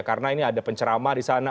karena ini ada pencerama di sana